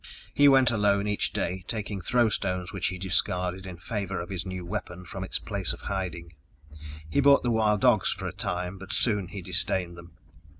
He went alone each day, taking throw stones which he discarded in favor of his new weapon from its place of hiding. He brought the wild dogs for a time, but soon he disdained them.